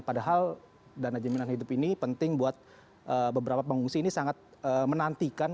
padahal dana jaminan hidup ini penting buat beberapa pengungsi ini sangat menantikan